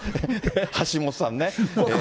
橋下さんね。